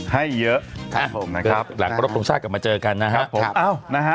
แหลกประโลกตรงชาติกลับมาเจอกันนะครับ